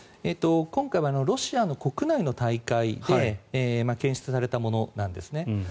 今回はロシアの国内の大会で検出されたものなんですね。